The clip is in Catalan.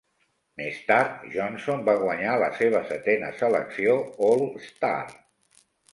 Més tard, Johnson va guanyar la seva setena selecció All-Star.